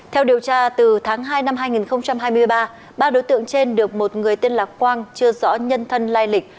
theo điều tra từ tháng hai năm hai nghìn hai mươi ba ba đối tượng trên được một người tên lạc quang chưa rõ nhân thân lai lịch